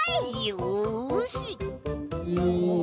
よし！